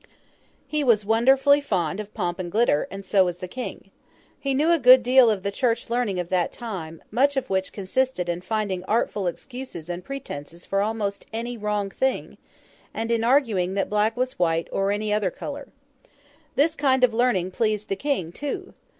He was wonderfully fond of pomp and glitter, and so was the King. He knew a good deal of the Church learning of that time; much of which consisted in finding artful excuses and pretences for almost any wrong thing, and in arguing that black was white, or any other colour. This kind of learning pleased the King too.